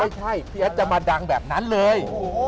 ไม่ใช่พี่แอดจะมาดังแบบนั้นเลย